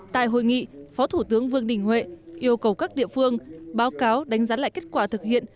tại hội nghị phó thủ tướng vương đình huệ yêu cầu các địa phương báo cáo đánh giá lại kết quả thực hiện